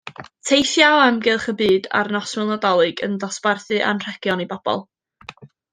Teithia o amgylch y byd ar noswyl Nadolig yn dosbarthu anrhegion i bobl.